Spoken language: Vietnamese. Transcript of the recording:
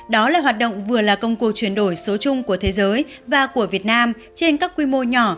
đó là hoạt động vừa là công cụ chuyển đổi số chung của thế giới và của việt nam trên các quy mô nhỏ